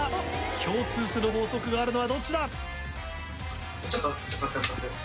共通する法則があるのはどっちだ？